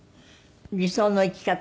理想の生き方。